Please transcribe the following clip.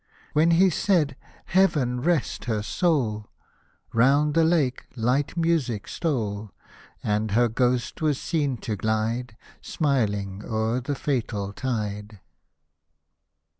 When he said, " Heaven rest her soul ! Round the Lake light music stole ; And her ghost was seen to glide, Smilino^ o'er the fatal tide.